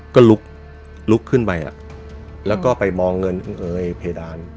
ก็ลุกลุกขึ้นไปแล้วก็ไปมองเงินเอยเพดาน